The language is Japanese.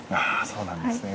そうなんですね。